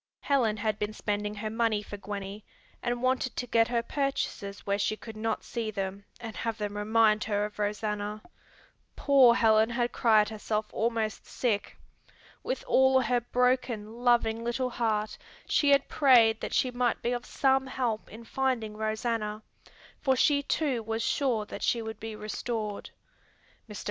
Helen had been spending her money for Gwenny, and wanted to get her purchases where she could not see them and have them remind her of Rosanna. Poor Helen had cried herself almost sick. With all her broken, loving little heart she had prayed that she might be of some help in finding Rosanna, for she too was sure that she would be restored. Mr.